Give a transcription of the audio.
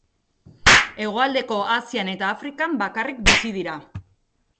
Hegoaldeko Asian eta Afrikan bakarrik bizi dira.